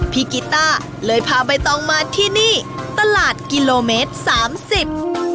กีต้าเลยพาใบตองมาที่นี่ตลาดกิโลเมตรสามสิบ